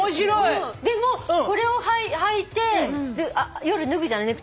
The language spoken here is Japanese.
でもこれをはいて夜脱ぐじゃない？